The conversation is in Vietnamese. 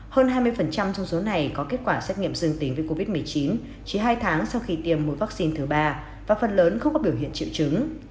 hơn hai mươi trong số này có kết quả xét nghiệm dương tính với covid một mươi chín chỉ hai tháng sau khi tiêm một vaccine thứ ba và phần lớn không có biểu hiện triệu chứng